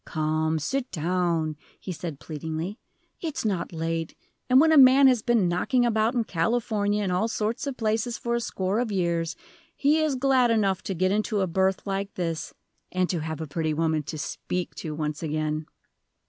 "Come, sit down," he said, pleadingly; "it's not late, and when a man has been knocking about in California and all sorts of places, for a score of years, he is glad enough to get into a berth like this, and to have a pretty woman to speak to once again."